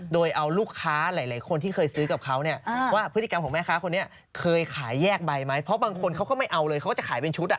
โดยเอาลูกค้าหลายคนที่เคยซื้อกับเขาเนี่ยว่าพฤติกรรมของแม่ค้าคนนี้เคยขายแยกใบไหมเพราะบางคนเขาก็ไม่เอาเลยเขาก็จะขายเป็นชุด